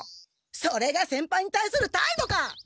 それが先輩に対するたいどか！